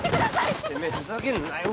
ちょっとてめえふざけんなよ